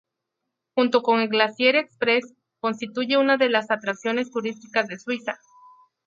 Junto con el Glacier Express constituye una de las atracciones turísticas de Suiza.